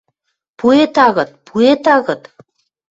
Пуэт-агыт, пуэт-агыт?!